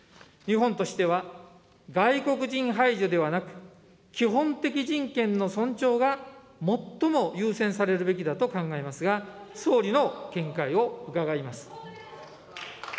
日本としては、外国人排除ではなく、基本的人権の尊重が最も優先されるべきだと考えますが、総理の見解を伺います。